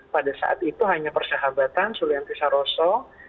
pada saat itu hanya persahabatan sulianti saroso